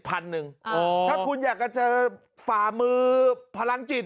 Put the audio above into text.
อ๋อถ้าคุณอยากจะเจอฝามือพลังจิต๕๐๐๐